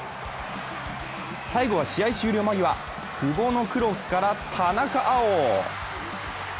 最後は試合終了間際、久保のクロスから田中碧。